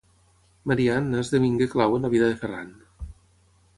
Maria Anna esdevingué clau en la vida de Ferran.